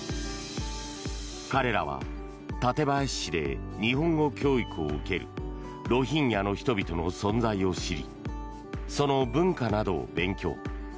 彼らは館林市で日本語教育を受けるロヒンギャの人々の存在を知りその文化などを勉強。